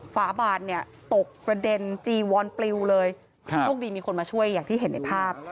ฝาบานเนี่ยตกกระเด็นจีวอนปลิวเลยครับโชคดีมีคนมาช่วยอย่างที่เห็นในภาพ